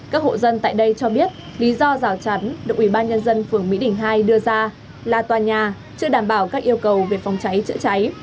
các hộ dân tại đây cho biết lý do rào chắn được ủy ban nhân dân phường mỹ đình hai đưa ra là tòa nhà chưa đảm bảo các yêu cầu về phòng cháy chữa cháy